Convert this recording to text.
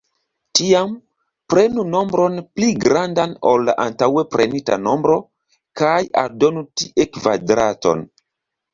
Tiam, prenu nombron pli grandan ol la antaŭe prenita nombro, kaj aldonu tie kvadraton.